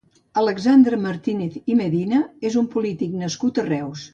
Alexandre Martínez i Medina és un polític nascut a Reus.